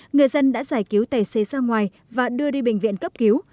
người dân đã giải cứu tài xế ra ngoài và đưa đi bệnh viện cấp cứu